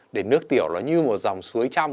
để nước tiểu nó như một dòng suối trong